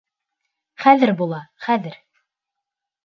Хәҙер була, хәҙер.